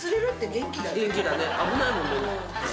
元気だね危ないもんね。